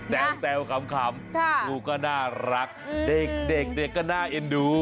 แดงเตวคำครูก็น่ารักเด็กเนก็น่ะเอ็นดู